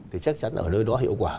thì chắc chắn ở nơi đó hiệu quả